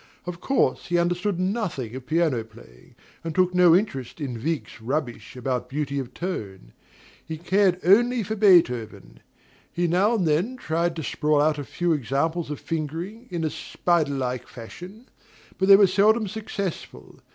Of course he understood nothing of piano playing, and took no interest in Wieck's rubbish about beauty of tone; he cared only for Beethoven. He now and then tried to sprawl out a few examples of fingering, in a spider like fashion; but they were seldom successful.